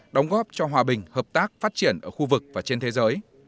đóng góp cho hòa bình hợp tác phát triển ở khu vực và trên thế giới